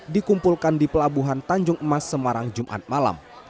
dikumpulkan di pelabuhan tanjung emas semarang jumat malam